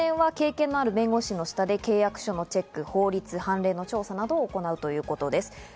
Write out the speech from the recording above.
初めの３年、４年は経験のある弁護士の下で契約書のチェック、法律・判例の調査などを行うということです。